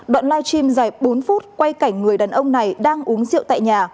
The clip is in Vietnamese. đoạn live stream dài bốn phút quay cảnh người đàn ông này đang uống rượu tại nhà